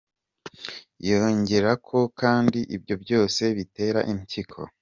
Yongera ko kandi ibyo byose bitera impyiko